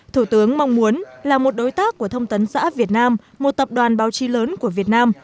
thủ tướng mong muốn là một đối tác của thông tấn xã việt nam một tập đoàn báo chí lớn của việt nam